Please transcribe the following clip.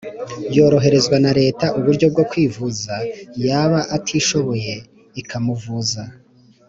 yoroherezwa na leta uburyo bwo kwivuza, yaba atishoboye, ikamuvuza